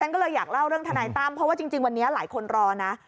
ก็เลยอยากเล่าเรื่องทนายตั้มเพราะว่าจริงวันนี้หลายคนรอนะ